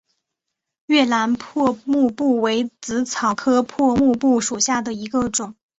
越南破布木为紫草科破布木属下的一个种。